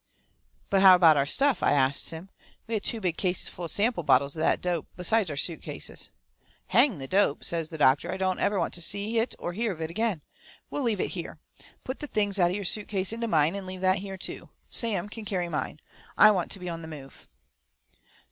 "But how about our stuff?" I asts him. We had two big cases full of sample bottles of that dope, besides our suit cases. "Hang the dope!" says the doctor, "I don't ever want to see it or hear of it again! We'll leave it here. Put the things out of your suit case into mine, and leave that here too. Sam can carry mine. I want to be on the move."